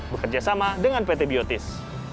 bekerja sama dengan pt biotis